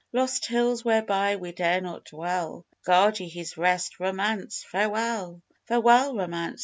Lost hills whereby we dare not dwell, Guard ye his rest. Romance, farewell!" "Farewell, Romance!"